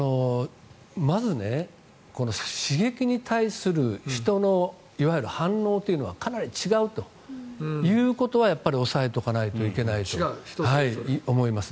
まず、刺激に対する人の反応というのはかなり違うということは押さえておかないといけないと思います。